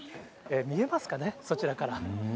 見えますかね、そちらから。